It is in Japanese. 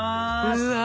うわ。